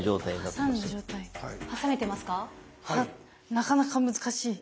なかなか難しい。